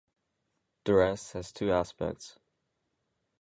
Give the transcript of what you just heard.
Duress has two aspects.